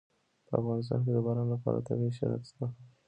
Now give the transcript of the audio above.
په افغانستان کې د باران لپاره طبیعي شرایط شته.